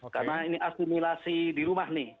karena ini asimilasi di rumah nih